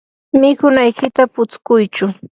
mikunaykita putskuychu.